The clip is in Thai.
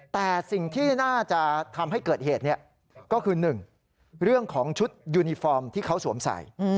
แต่สิ่งที่น่าจะทำให้เกิดเหตุก็คือ๑เรื่องของชุดยูนิฟอร์มที่เขาสวมใส่